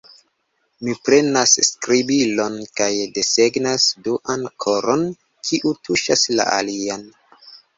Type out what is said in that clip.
Mi prenas skribilon, kaj desegnas duan koron, kiu tuŝas la alian.